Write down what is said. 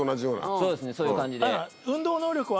そうですねそういう感じで。